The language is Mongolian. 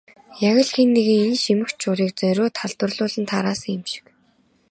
Яг л хэн нэг нь энэ шимэгч урыг зориуд халдварлуулан тараасан юм шиг.